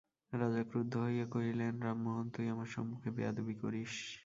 রাজা ক্রুদ্ধ হইয়া কহিলেন, রামমোহন, তুই আমার সম্মুখে বেয়াদবি করিস!